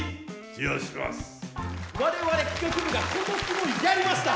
我々企画部が今年もやりました！